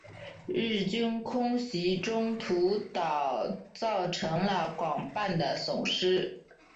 日军空袭中途岛造成了广泛的损失。